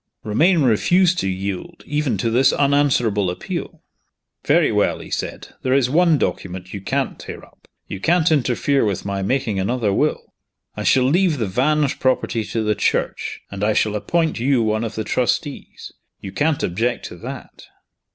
Romayne refused to yield, even to this unanswerable appeal. "Very well," he said, "there is one document you can't tear up. You can't interfere with my making another will. I shall leave the Vange property to the Church, and I shall appoint you one of the trustees. You can't object to that."